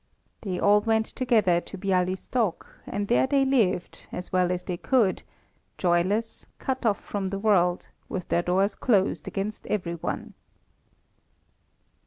They all went together to Bialystok, and there they lived, as well as they could, joyless, cut off from the world, with their doors closed against every one.